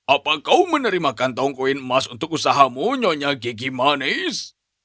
apa kau menerima kantong koin emas untuk usahamu nyonya gigi manis